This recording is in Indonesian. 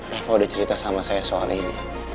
reva udah cerita sama saya soal ini